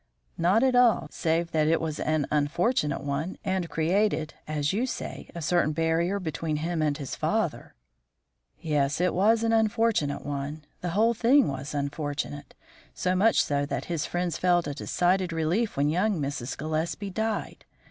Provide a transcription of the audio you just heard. "Not at all, save that it was an unfortunate one and created, as you say, a certain barrier between him and his father." "Yes, it was an unfortunate one; the whole thing was unfortunate. So much so that his friends felt a decided relief when young Mrs. Gillespie died.